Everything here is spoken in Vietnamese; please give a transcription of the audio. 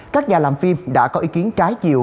các nhà làm phim đã có ý kiến trái chiều